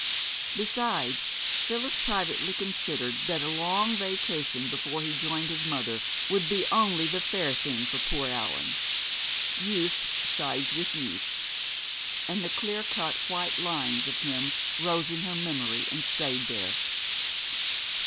Besides, Phyllis privately considered that a long vacation before he joined his mother would be only the fair thing for "poor Allan." Youth sides with youth. And the clear cut white lines of him rose in her memory and stayed there.